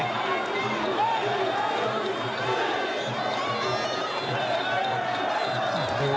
ร่วงหนึ่ง